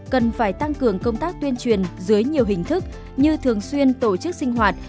cần phải tăng cường công tác tuyên truyền dưới nhiều hình thức như thường xuyên tổ chức sinh hoạt